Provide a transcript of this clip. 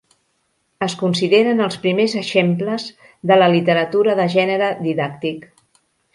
Es consideren els primers exemples de la literatura de gènere didàctic.